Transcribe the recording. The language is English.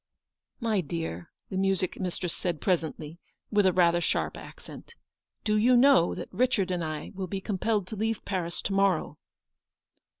m My dear," the music mistress said presently, with rather a sharp accent, " do you know that Richard and I will be compelled to leave Paris to morrow